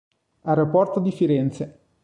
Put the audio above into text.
Aeroporto di Firenze